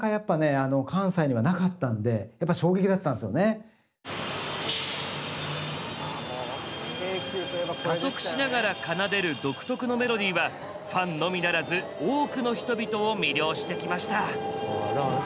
これもなかなかやっぱね加速しながら奏でる独特のメロディはファンのみならず多くの人々を魅了してきました。